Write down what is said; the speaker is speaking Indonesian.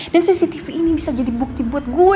dan cctv ini bisa jadi bukti buat gue